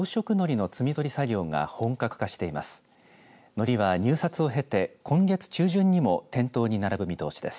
のりは入札を経て今月中旬にも店頭に並ぶ見通しです。